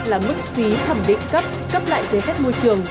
là mức phí thẩm định cấp cấp lại giấy phép môi trường